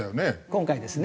今回ですね。